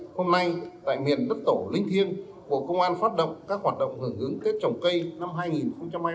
hôm nay tại miền đất tổ linh thiên bộ công an phát động các hoạt động hưởng ứng tết trồng cây năm hai nghìn hai mươi bốn